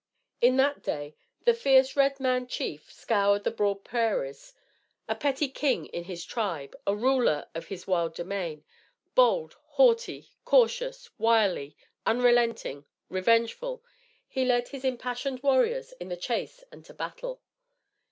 In that day, the fierce red man chief scoured the broad prairies, a petty king in his tribe, a ruler of his wild domain. Bold, haughty, cautious, wily, unrelenting, revengeful, he led his impassioned warriors in the chase and to battle.